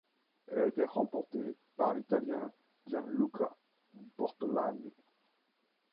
Elle a été remportée par l'Italien Gianluca Bortolami.